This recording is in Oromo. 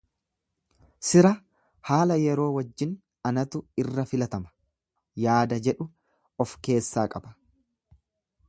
Sira haala yeroo wajjin anatu irra filatama yaada jedhu of keessaa qaba.